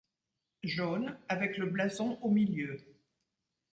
Jaune avec le blason au milieu.